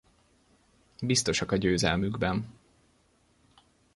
Biztosak a győzelmükben.